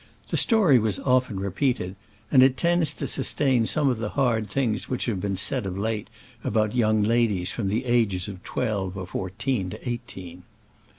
The story was often repeated ; and it tends to sustain some of the hard things which have been said of late about young ladies from the ages of twelve or fourteen to eighteen.